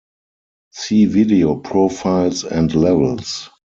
See Video profiles and levels.